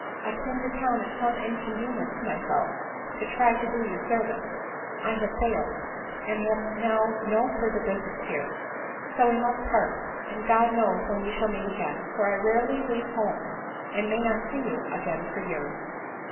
I came to town at some inconvenience to myself, to try to do you service. I have failed, and I have now no further business here ; so we must part, and God knows ■VW"P" 132 ADELINE MOWBRAY. when we shall meet again. For I rarely leave home, and may not see you again for years."